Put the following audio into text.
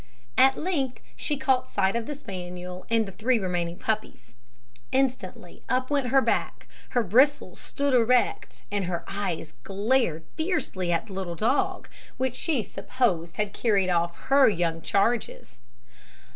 At length she caught sight of the spaniel and the three remaining puppies. Instantly up went her back; her bristles stood erect, and her eyes glared fiercely at the little dog, which she supposed had carried off her young charges.